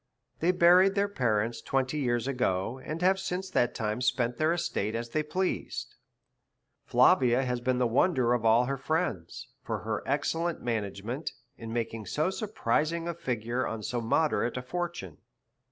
They buried their parents twenty years ago, and have since that time spent their estate as they pleased. Flavia has been the wonder of all her friends, for her excellent management in making so surprising a figure on so moderate a fortune.